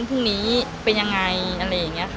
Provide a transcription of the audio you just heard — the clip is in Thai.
พรุ่งนี้เป็นยังไงอะไรอย่างนี้ค่ะ